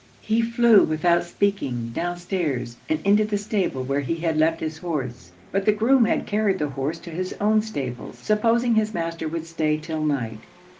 He flew without speaking down stairs, and into the stable where he had left his horse; but the groom had carried the horse to his own stables, supposing his master would stay 'till night.